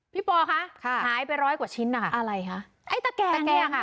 ปอคะค่ะหายไปร้อยกว่าชิ้นนะคะอะไรคะไอ้ตะแกงตะแกงค่ะ